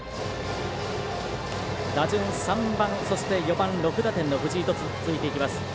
打順３番、そして４番、６打点の藤井と続いていきます。